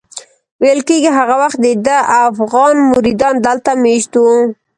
ویل کېږي هغه وخت دده افغان مریدان دلته مېشت وو.